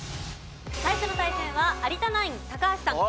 最初の対戦は有田ナイン高橋さん